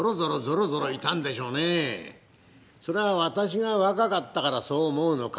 それは私が若かったからそう思うのか